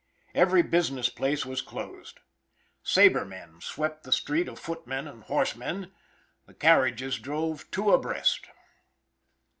Every business place was closed. Sabermen swept the street of footmen and horsemen. The carriages drove two abreast.